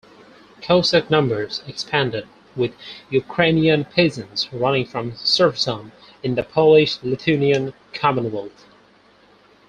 Cossack numbers expanded, with Ukrainian peasants running from serfdom in the Polish-Lithuanian Commonwealth.